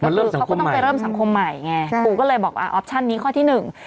คือเขาก็ต้องไปเริ่มสังคมใหม่ไงครูก็เลยบอกว่าออปชั่นนี้ข้อที่หนึ่ง